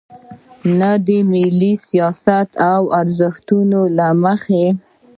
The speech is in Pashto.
نه د ملي سیاست او ارزښتونو له مخې.